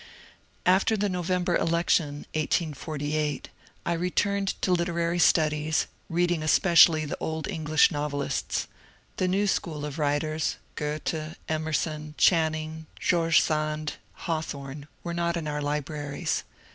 After the November election (1848), I turned to literary studies, reading especially the old English novelists. The new school of writers — Goethe, Emerson, Channing, George Sand, Hawthorne — were not in our libraries.